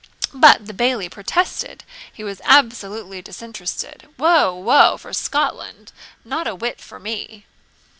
But the Bailie protested he was absolutely disinterested 'Woe, woe, for Scotland, not a whit for me!'